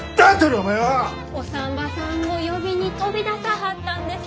お産婆さんを呼びに飛び出さはったんです。